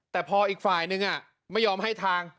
แต่พออีกฝ่ายนึงไม่ยอมให้ทาง